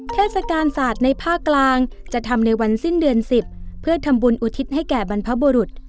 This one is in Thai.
เทศกาลศาสตร์ในภาคกลางจะทำในวันสิ้นเดือน๑๐เพื่อทำบุญอุทิศให้แก่บรรพบุรุษ